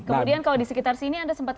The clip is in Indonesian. kemudian kalau disekitar sini anda sempat